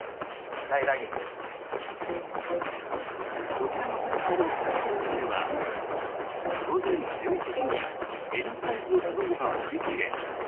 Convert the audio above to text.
こちらのスーパーの卵売り場では午前１１時にＬサイズの卵が売り切れ。